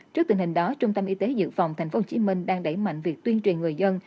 trước tình hình đó trung tâm y tế dự phòng tp hcm đang đẩy mạnh việc tuyên truyền người dân